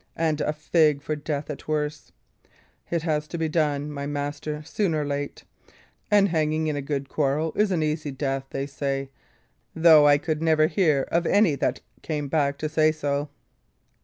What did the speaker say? "And a fig for death, at worst! It has to be done, my master, soon or late. And hanging in a good quarrel is an easy death, they say, though I could never hear of any that came back to say so."